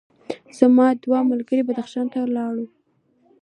زما دوه ملګري بدخشان ته لاړل.